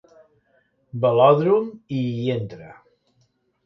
Velòdrom i hi entra.